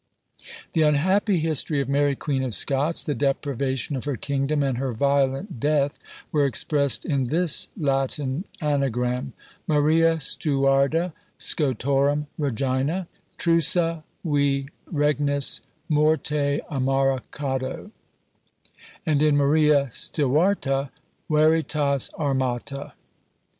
The unhappy history of Mary Queen of Scots, the deprivation of her kingdom, and her violent death, were expressed in this Latin anagram: Maria Steuarda Scotorum Regina: TRUSA VI REGNIS, MORTE AMARA CADO: and in Maria Stevarta VERITAS ARMATA.